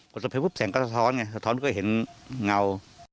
ก็ตบแฟดปุ๊บแสงก็สะท้อนไงสะท้อนก็เห็นเงา